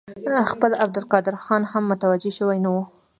خپله عبدالقادر خان هم متوجه شوی نه وي.